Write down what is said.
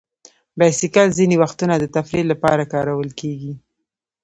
بایسکل ځینې وختونه د تفریح لپاره کارول کېږي.